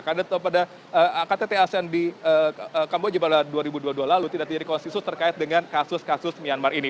karena pada ktt asean di kamboja pada dua ribu dua puluh dua lalu tidak jadi konsensus terkait dengan kasus kasus myanmar ini